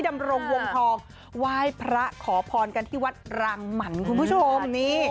ดำรงวงทองไหว้พระขอพรกันที่วัดรางหมันคุณผู้ชมนี่